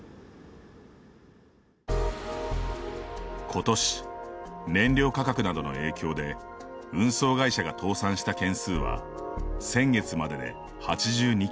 今年、燃料価格などの影響で運送会社が倒産した件数は先月までで８２件。